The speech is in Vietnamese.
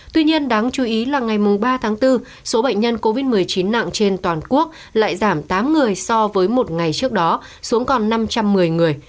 tuy nhiên đáng chú ý là ngày ba tháng bốn số bệnh nhân covid một mươi chín nặng trên toàn quốc lại giảm tám người so với một ngày trước đó xuống còn năm trăm một mươi người